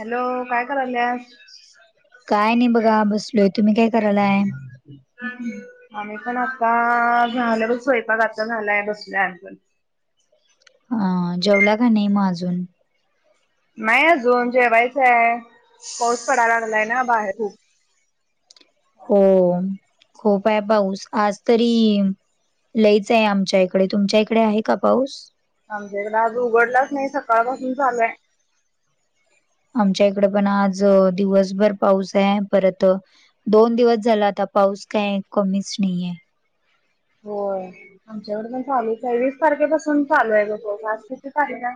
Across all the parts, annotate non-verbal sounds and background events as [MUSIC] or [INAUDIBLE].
Hello काय कराल्यास? काय नाही बघा बसलोय तुम्ही काय करायलाय? आम्ही पण आता झाल बघ स्वयंपाक आता झालाय बसलोय आम्ही पण. अ जेवला का नाही म अजून? नाही अजून जेवायच हाय, पाऊस पडायला लागलाय ना बाहेर खूप. हो, खूप आहे पाऊस आज तरी लईच आहे आमच्या इकडे तुमच्या इकडे आहे का पाऊस? आमच्या इकडे आज उघडलाच नाही सकाळपासून चालूय? आमच्या इकड पण आज दिवसभर पाऊस आहे परतहा दोन दिवस झाल आता पाऊस काय कमीच नाही आहे. होय आमच्याकडे पण चालूच हाय वीस तारखेपासून चालू आहे बघ आज किती तारीख हाय?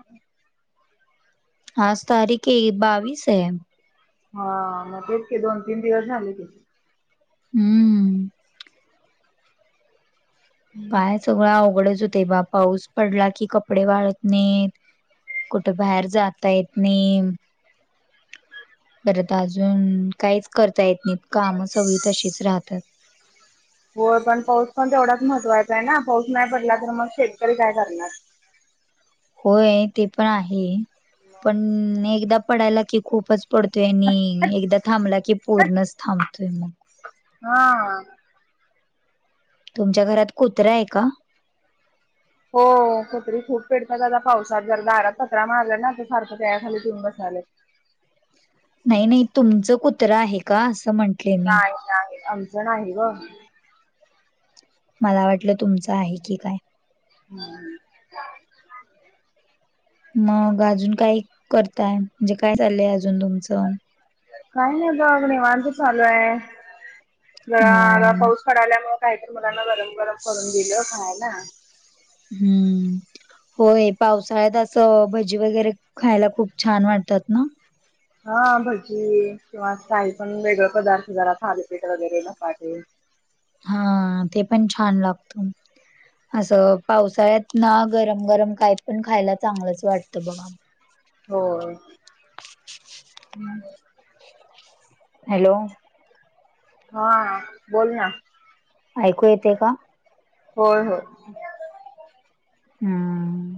आज तारीखे बावीस आहे. हा मग तेच की दोन तीन दिवस झाले की. हम्म. काय सगळं अवघडच होतय बा पाऊस पडला की कपडे वाळत नाहीत. कुठ बाहेर जाता येत नाही. परत अजून काहीच करता येत नाही काम सगळी तशीच राहतात. [INAUDIBLE] होय पण पाऊस पण तेवढाच महत्वाचा आहे ना पाऊस नाही पडला तर मग शेतकरी काय करणार? होय ते पण आहे, पण एकदा पडायला की खूपच पडतोय आणि एकदा थांबला की पूर्णच थांबतोय म. हा. तुमच्या घरात कुत्रा आहे का? हो कुत्री खूप पेडतात आता पावसात जर दारात पतरा मारला ना ते सारखं त्यायाखाली घेऊन बसालय. नाही नाही तुमचं कुत्र आहे का असं म्हण नाही नाही आमच नाही ग. मला वाटलं तुमचं आहे की काय? [UNINTELLIGIBLE] मग अजून काय करताय म्हणजे काय चालय अजून तुमचं? काय नाही बघ निवांत चालू आहे. अ जरा पाऊस पडाल्यामुळे काहीत मुलांना गरम गरम करून दिलं खायला. हम्म. होय पावसाळ्यात असं भजी वगैरे खायला खूप छान वाटतात ना. हा भजी किंवा काही पण वेगळे पदार्थ जरा थालेपीठ वगैरे धपाटे. हा ते पण छान लागत, असं पावसाळ्यात ना गरम गरम काय पण खायला चांगलंच वाटतं बघा. होय. [UNINTELLIGIBLE] हॅलो. हा, बोल ना. ऐकू येते का? होय होय. हम्म,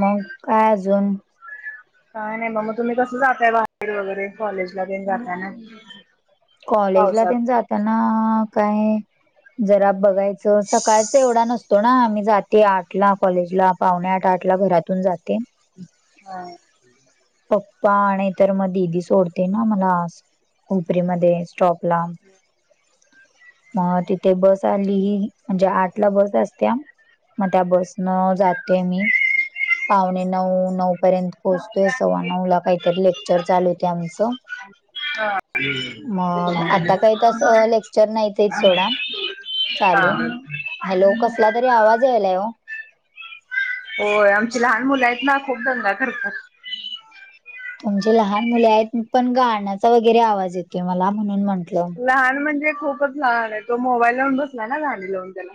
मग काय अजून? काय नाही म मग तुम्ही कसं जाताय बाहेर वगैरे? कॉलेजला तेण जाताय ना? कॉलेजला ते जाताना काय जरा बघायचं. सकाळच तेवढा नसतो ना. आम्ही जाते आठला कॉलेजला, पावणे आठ-आठला घरातून जाते. हा पप्पा नाही तर मग दीदी सोडते ना, मला हुपरी मध्ये स्टॉप लांब म तिथे बस आली की, म्हणजे आठ ला बस असतेया. मग त्या बसनं जातेय. मी पावणे नऊ-नऊपर्यंत हा. पोहोचतोय. सव्वा नऊला काहीतरी लेक्चर चालू होतय. आमचं मग आता काही तसं लेक्चर नाही. ते सोडा हा. चालू, हॅलो कसला तरी आवाज यायलाय. हो होय आमची लहान मुलं आहेत ना, खूप दंगा करतात. तुमचे लहान मुले आहेत पण गाण्याचा वगैरे, आवाज येतो मला म्हणून म्हंटलं. लहान म्हणजे खूपच लहान आहे. तो मोबाईल लावून बसला ना गाणी लावून त्याला,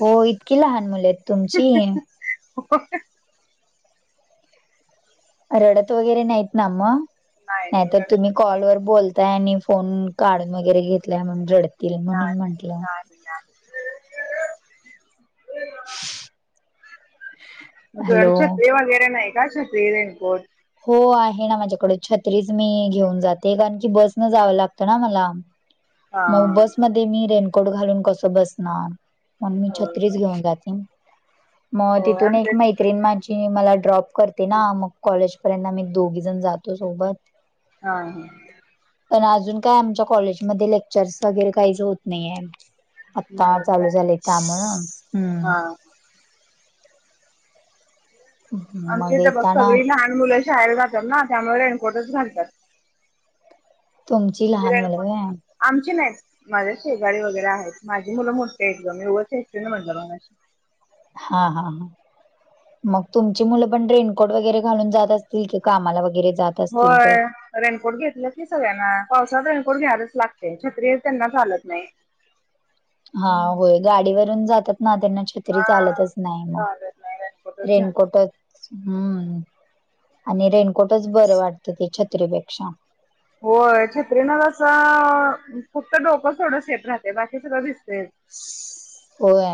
हो इतकी लहान मुले आहेत तुमची. [UNINTELLIGIBLE] रडत वगैरे नाहीत ना मग, नाही नाही नाहीतर रडत तुम्ही कॉलवर बोलताय आणि. फोन काढून वगैरे घेतला म्हणं, रडतील नाही म्हणून म्हंटलं. [INAUDIBLE] [INAUDIBLE] तुयाक हॅलो छत्री वगैरे नाही का? छत्री रेनकोट? हो आहे ना, माझ्याकड छत्रीच मी घेऊन जाते कारण की बसनं जावं लागतं ना मला हा मग बसमध्ये मी रेनकोट घालून कसं बसणार? मग मी होय छत्रीस होय. घेऊन जाते. मग हो तिथून आमच्या एक इथे मैत्रीण माझी मला ड्रॉप करते ना, मग कॉलेज तिथं पर्यंत, आम्ही दोघी जण जातो सोबत. हा हा पण अजून काय आमच्या कॉलेजमध्ये लेक्चर्स वगैरे काहीच होत नाही. आता नाही का चालू झालय. त्यामुळे हम्म हा. आमच्या मग इथं बघ येताना सगळी लहान मुलं शाळेला जातात ना त्यामुळे रेनकोटच घालतात. तुमची लहान मुलं रेणको होय? आमची नाहीत माझ्या शेजारी वगैरे आहेत. माझी मुलं मोठी आहेत. ग मी उगाच चेष्टन म्हणलं मगशी हा-हा, हा. मग तुमची मुलं पण रेनकोट वगैरे घालून जात असतील की, कामाला वगैरे जात असतील तर होय. रेनकोट घेतलं की सगळ्यांना पावसात रेनकोट घेणारच लागते. छत्री त्यांना चालत नाही. हा होय, गाडीवरून जातात ना त्यांना छत्री तरी हा चालतच नाही. चालत नाही मग रेनकोटच घ्यायला रेनकोटच हम्म आणि रेनकोटच बरं वाटतं. ते छत्रीपेक्षा. होय, छत्रीनं कस फक्त डोकं थोडं सेफ राहते, बाकी सगळं भिजते. होय,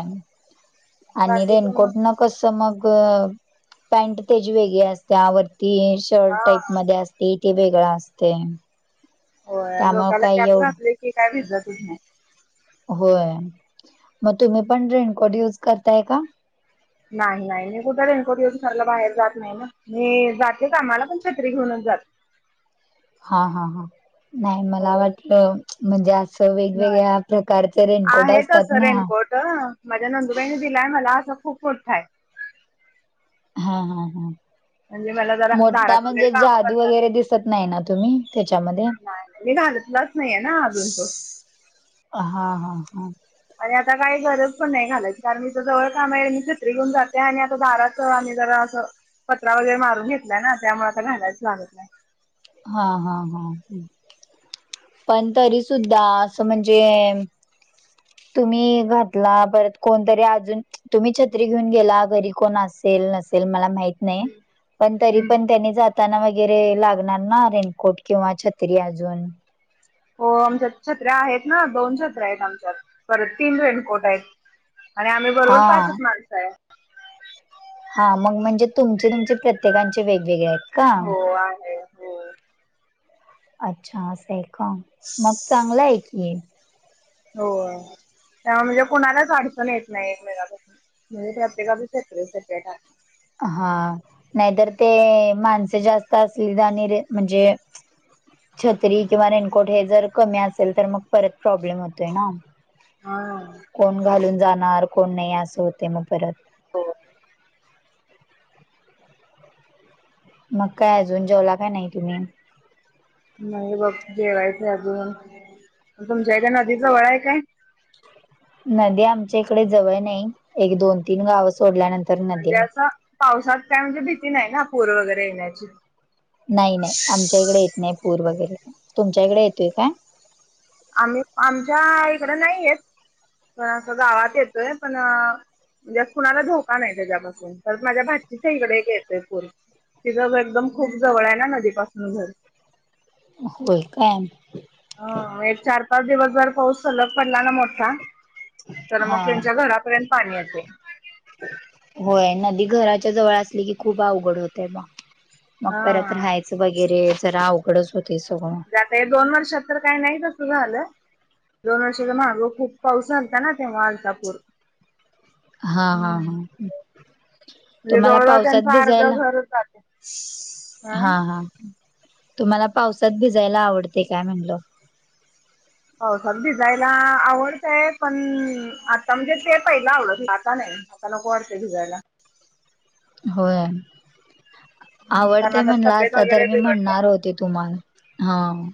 आणि बाकीच मग रेनकोटन कसं मग, पॅन्ट तेची वेगळी असत्या वर ती शर्ट हा टाईप मध्ये असतय ते वेगळां असतय. होय, डोक्याला कॅप घातली की, काय भिजतच नाही. होय... मग तुम्ही पण रेनकोड युज करताय का? नाही नाही... मी कुठं रेनकोट यूज करायला बाहेर जात नाही ना. मी जाते कामाला.. पण छत्री घेऊनच जाते हा हा हा... नाही हो मला वाटलं म्हणजे असं वेगवेगळ्या नाही प्रकारचे रेनकोट असतात ना हा तर माझ्या नंदुबाईनी दिलाय मला असा... तो खूप मोठाय हा हा हा. म्हणजे मला जरा मोठा दारात वगैरे म्हणजे कामं जाड करताना वगैरे दिसत नाही ना तुम्ही त्याच्यामध्ये? नाही मी घालतलाच नाहीये ना अजून तो आ... हा हा. आणि आता काय गरज पण नाही घालायची... कारण इथं जवळ काम आहे, मी छत्री घेऊन जाते आणि आता दारात तर आम्ही जरा असं पत्रा वगैरे मारून घेतला ना... त्यामुळे आता घालायच लागत नाही. हा हा हा. पण तरी सुुद्धा असं म्हणजे तुम्ही घातला... परत कोणतरी अजून तुम्ही छत्री घेऊन गेला... घरी कोण असेल नसेल मला माहित नये... हम्म पण तरी हम्म. पण त्यांनी जाताना वगैरे लाग मुलांना... रेनकोट किंवा छत्री अजून हो... आमच्यात छत्र्या आहेत ना.. दोन छत्र्या आहेत आमच्यात... परत तीन रेनकोट आहेत. आणि आम्ही बरोबर हा पाचच माणसं आहेत. हा मग... म्हणजे तुमचे तुमचे... प्रत्येकांचे वेगवेगळे आहेत. का? हो आहेत हो. अच्छा... असं ए का... मग चांगलं ए की हो... तेव्हा म्हणजे कुणालाच अडचण येत नाही एकमेकापासून म्हणजे प्रत्येकाचे सेपरेट सेपरेट आहे हा... नाही तर ते.. माणसे जास्त असली जाणीरे म्हणजे छत्री किंवा रेनकोट हे जर कमी असेल तर मग परत प्रॉब्लेम होतोय ना हा कोण घालून जाणार... कोण नाई... आसं होतंय मग परत हो. मग काय अजून... जेवला का नाही तुम्ही? नाही बघ जेवायचंय अजून... मग तुमच्या इथं नदी जवळ आहे काय? नदी आमच्या इकडं जवळ नाही... एक दोन तीन गावं सोडल्यानंत म्हणजे असं... पावसात काय म्हणजे भीती नाही ना... पूर वगैरे येण्याची नाही नाही आमच्या इकडे येत नाही पूर वगैरे... तुमच्या इकडे येतोय काय? आम्ही... आमच्या इकडे नाही येत... पणं आमच्या गावात येतोय पण अ म्हणजे असं कुणाला धोका नाही त्याच्यापासून... परत माझ्या भााचीच्या इकडे एक येतंय पूर तिजं घर एकदम खूप जवळ आहे ना नदीपासून घर होय काय अ... एक चार पाच दिवस जर पाऊस सलग पडला ना मोठा तर मग हा त्यांच्या घरापर्यंत पाणी येतंय होय... नदी घराच्या जवळ असली की खूप अवघड होतंय बा मग हा परत म्हणजे राहायचं वगैरे... जरा अवघडच होतंय सगळं आता या दोन वर्षात तर काही नाही तसं झालं. दोन वर्षाच्या मागं खूप पाऊस झालता ना... तेव्हा आलता पूर हा हा हम्म... हा म्हणजे तुम्हाला जवळ जवळ पावसात त्यांचं आर्ध भिजायला घरच जातं श्श हा हा, तुम्हाला पावसात भिजायला आवडतय काय म्हणलं? पावसात भिजायला आवडतंय, पण आता म्हणजे ते पहिलं आवडत होतं आता नाही. आता नको वाटतंय भिजायला. होय, कारण आवडतंय आता म्हणला तब्येत असता तर वगैरे मी बिघडते म्हणणार ना होते तुम्हाला हां.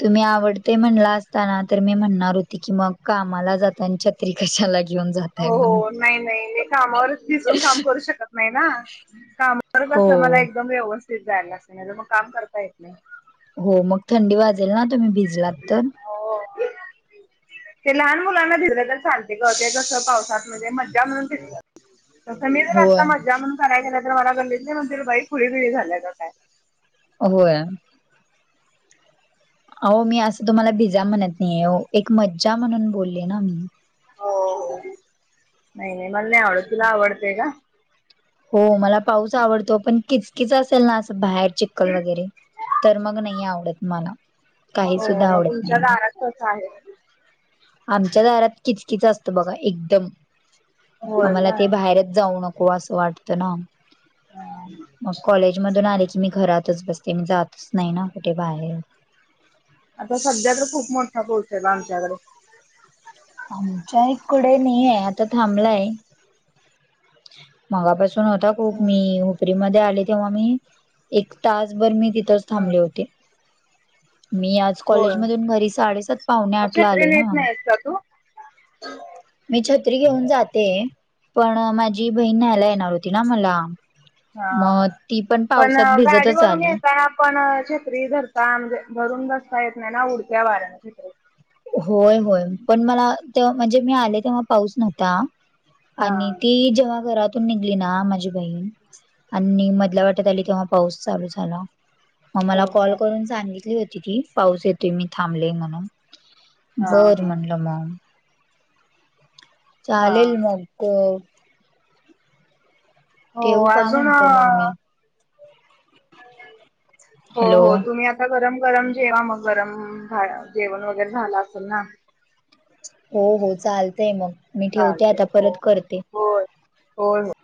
तुम्ही आवडतंय म्हणला असता ना, तर मी म्हणणार होती की मग कामाला जातानी छत्री कशाला घेऊन जात हो हॊ, नाही नाही मी कामावरचं भिजून काम करू शकत नाही ना. काम करत हो असंल मला एकदम व्यवस्थित जायला लांगत, नाही तर मग काम करता येत नाही. हो मग थंडी वाजेल ना, तुम्ही भिजलात तर? हो. ते लहान मुलांना भिजलं तर चालते गं, ते जसं पावसात म्हणजे मज्जा म्हणून भी [INAUDIBLE] तसं मी जर होय आता मज्जा म्हणून सांगायला गेले, तर मला गल्लीतले म्हणतील, बाई खुळी-बिळी झाल्याय का काय,? होय. आओ मी असं तुम्हाला भिजा म्हणत नही ओ, एक मज्जा म्हणून बोलले ना मी? हो हो, नाही नाही मला नाही आवडत तुला आवडते का? हो मला पाऊस आवडतो, पण किचकीच असेल ना असं बाहेर च कल वगैरे तर मग नही आवडत मला. काही हो सुद्धा मग आवडत तुमच्या नाही. दारात कस आहे? आमच्या दारात किचकीच असतं बघा, एकदम. म होय मला ते काय बाहेरच जाऊ नको, असं वाटतं ना. हा मग कॉलेज मधून आले की मी घरातच बस ते, मी जातच नाही ना कुठे बाहेर. आता सध्याकडे खूप मोठा पाऊस झाला आमच्याकडे. आमच्या इकडे नाहीये, आता थांबलाय. मगापासून होता खूप, हम्म. मी हुपरी मध्ये आले, तेव्हा मी एक तासभर मी तिथंच हम्म थांबले होते, मी आज होय. कॉलेज मधून घरी साडेसात पाहउणे मग आठ ला छत्री आले ना. नीट नाहीस का तू? मी छत्री घेऊन जाते, पण माझी बहीण न्यायला येणार होती ना मला. मग हां, ती पण पावसात भिजतच गाडीवररून आली येताना पण छत्री धरता, म्हणजे धरून बसता येत नाही ना, उडत्या वाऱ्यान छत्री. होय होय, पण मला ते म्हणजे मी आले तेव्हा पाऊस नव्हता. हा आणि ती जेव्हा घरातून निघली ना, माझी बहीण आणि मी मधल्या वाटेत आली, तेव्हा पाऊस चालू झाला. मग मला हो हा कॉल करून सांगितली होती, ती पाऊस येतोय मी थांबले म्हणून. हा बरं हा. म्हणलं मग. हा चालेल मग, गं हो ठेवू का अजून अ, म्हंटलं मग मी हो हो हॅलो तुम्ही आ त, गरम-गरम जेवा मग, गरम भा जेवण वगैरे झालं असल ना? हो हो चालतय मग, मी ठेवते चालते आता हो परत करते. होय होय.